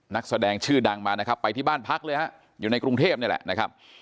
นักแสดงชื่อดังมานะครับไปที่บ้านพักเลยฮะอยู่ในกรุงเทพนี่แหละนะครับ